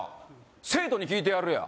生徒に聞いてやるよ